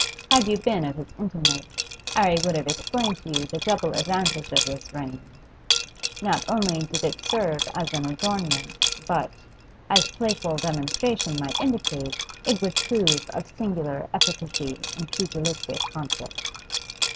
Had you been of his intimates, 'Arry would have explained to you the double advantage of this ring; not only did it serve as an adornment, but, as playful demonstration might indicate, it would prove of singular efficacy in pugilistic conflict.